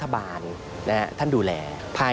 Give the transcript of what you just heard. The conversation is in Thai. พบหน้าลูกแบบเป็นร่างไร้วิญญาณ